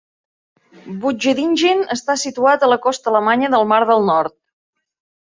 Butjadingen està situat a la costa alemanya del Mar del Nord.